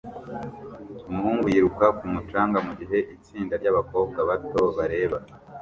Umuhungu yiruka ku mucanga mugihe itsinda ryabakobwa bato bareba